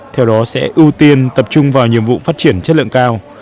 theo đó sẽ ưu tiên tập trung vào nhiệm vụ phát triển chất lượng cao